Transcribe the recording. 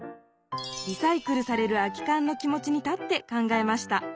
リサイクルされる空き缶の気持ちに立って考えました。